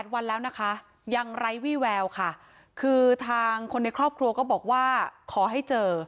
วันแล้วนะคะยังไร้วี่แววค่ะคือทางคนในครอบครัวก็บอกว่าขอให้เจอ